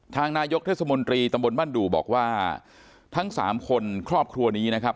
ทางนายกเทศมนตรีตำบลบ้านดู่บอกว่าทั้งสามคนครอบครัวนี้นะครับ